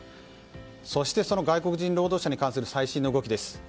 そしてその外国人労働者に関する最新の動きです。